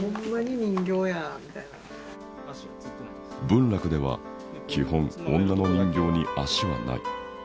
文楽では基本女の人形に足はない。